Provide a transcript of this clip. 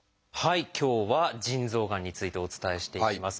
今日は腎臓がんについてお伝えしていきます。